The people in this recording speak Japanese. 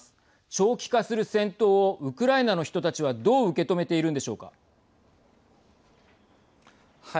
長期化する戦闘をウクライナの人たちはどう受け止めているんでしょうか。